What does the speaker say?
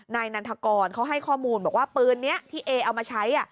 นันทกรเขาให้ข้อมูลบอกว่าปืนนี้ที่เอเอามาใช้